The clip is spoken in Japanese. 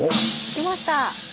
来ました。